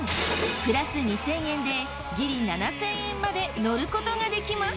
プラス２，０００円でギリ７，０００円まで乗ることができます。